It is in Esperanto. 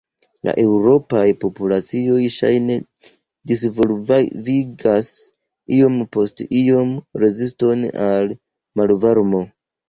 La eŭropaj populacioj ŝajne disvolvigas iom post iom reziston al malvarmo.